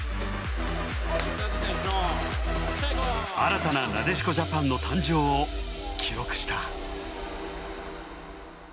新たななでしこジャパンの誕生を記録した。